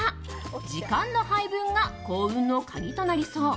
時間の配分が幸運の鍵となりそう。